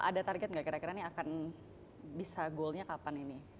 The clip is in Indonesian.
ada target nggak kira kira nih akan bisa goalnya kapan ini